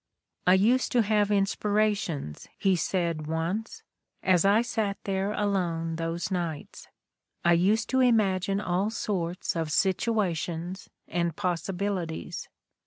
"I used to have inspirations," he said once, "as I sat there alone those nights. I used to imagine all sorts of situations and possibilities.